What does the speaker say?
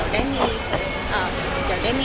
อย่างไรก็ได้หมด